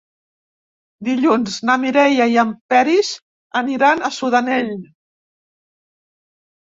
Dilluns na Mireia i en Peris aniran a Sudanell.